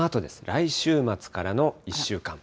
来週末からの１週間。